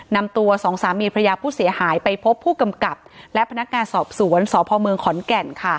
นำตัวสองสามีพระยาผู้เสียหายไปพบผู้กำกับและพนักงานสอบสวนสพเมืองขอนแก่น